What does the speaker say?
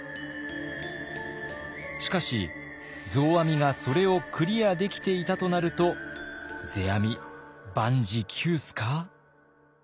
しかし増阿弥がそれをクリアできていたとなると世阿弥万事休すか？